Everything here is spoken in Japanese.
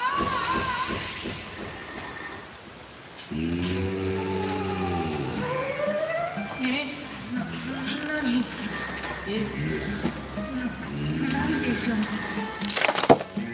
ぬ。ななんでしょう？